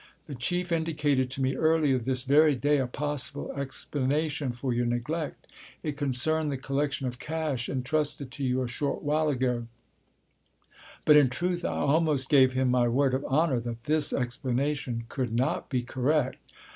The Chief indicated to me earlier this very day a possible explanation for your neglect it concerned the collection of cash entrusted to you a short while ago but in truth I almost gave him my word of honour that this explanation could not be correct.